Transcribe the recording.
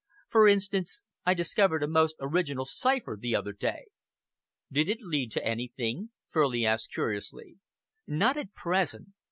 For instance, I discovered a most original cipher the other day." "Did it lead to anything?" Furley asked curiously. "Not at present.